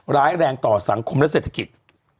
ร้ายแรงต่อสังคมและเศรษฐกิจ